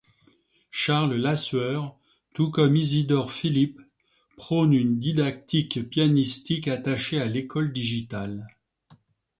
Charles Lassueur, tout comme Isidore Philipp, prône une didactique pianistique attachée à l'école digitale.